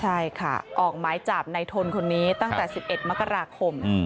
ใช่ค่ะออกหมายจับในทนคนนี้ตั้งแต่๑๑มกราคม